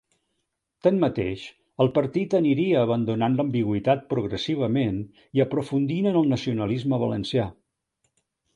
Tanmateix, el partit aniria abandonant l'ambigüitat progressivament, i aprofundint en el nacionalisme valencià.